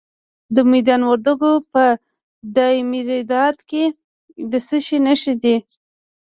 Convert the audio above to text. د میدان وردګو په دایمیرداد کې د څه شي نښې دي؟